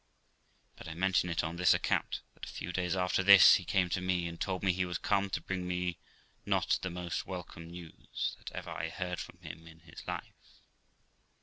But I mention it on this account, that a few days after this he came to me, and told me he was come to bring me not the most welcome news that ever I heard from him in his life.